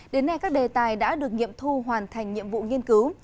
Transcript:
đến nay các đề tài đã được nghiệm thu hoàn thành nhiệm vụ nghiên cứu